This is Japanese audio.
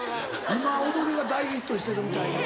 今踊りが大ヒットしてるみたいで。